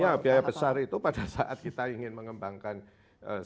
ya biaya besar itu pada saat kita ingin mengembangkan sektor